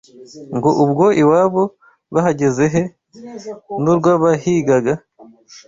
Ngo ubwo iwabo bahageze He n'urwabahigaga!